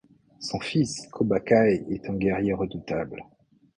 Son fils, Koba-Kai en est un guerrier redoutable.